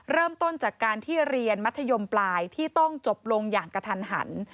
เริ่มต้นจากการที่เรียนมัธยมปลายที่ต้องจบลงอย่างกระทันหัน